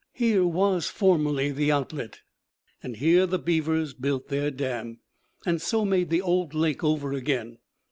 Here was formerly the outlet; and here the beavers built their dam, and so made the old lake over again.